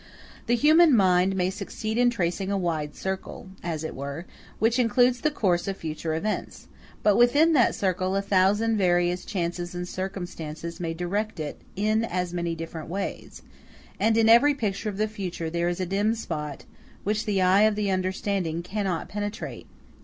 The human mind may succeed in tracing a wide circle, as it were, which includes the course of future events; but within that circle a thousand various chances and circumstances may direct it in as many different ways; and in every picture of the future there is a dim spot, which the eye of the understanding cannot penetrate.